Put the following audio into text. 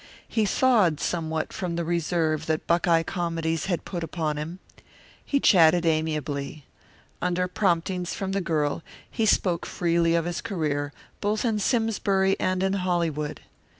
He thawed somewhat from the reserve that Buckeye comedies had put upon him. He chatted amiably. Under promptings from the girl he spoke freely of his career, both in Simsbury and in Hollywood.